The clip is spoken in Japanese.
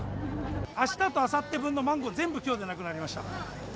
あしたとあさって分のマンゴー、全部きょうでなくなりました。